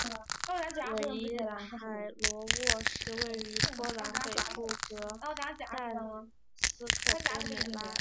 韦伊海罗沃是位于波兰北部格但斯克波美拉尼亚的城市。